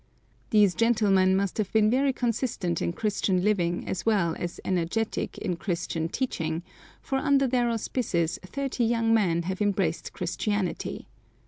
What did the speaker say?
These gentlemen must have been very consistent in Christian living as well as energetic in Christian teaching, for under their auspices thirty young men have embraced Christianity.